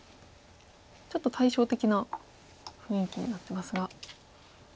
ちょっと対称的な雰囲気になってますが。